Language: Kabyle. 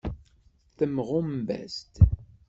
Temɣumbas-d.